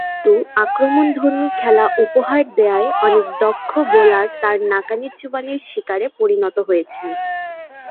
কিন্তু, আক্রমণধর্মী খেলা উপহার দেয়ায় অনেক দক্ষ বোলার তার নাকানি-চুবানির শিকারে পরিণত হয়েছেন।